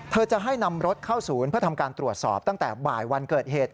จะให้นำรถเข้าศูนย์เพื่อทำการตรวจสอบตั้งแต่บ่ายวันเกิดเหตุ